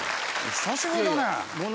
久しぶりだね。